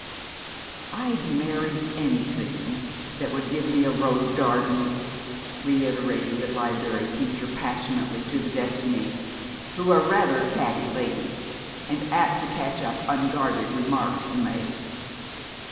"I'd marry anything that would give me a rose garden!" reiterated the Liberry Teacher passionately to the Destinies, who are rather catty ladies, and apt to catch up unguarded remarks you make.